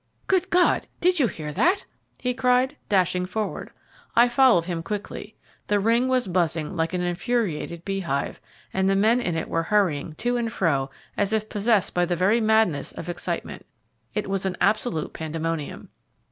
"Good God! Did you hear that?" he cried, dashing forward. I followed him quickly; the ring was buzzing like an infuriated beehive, and the men in it were hurrying to and fro as if possessed by the very madness of excitement. It was an absolute pandemonium.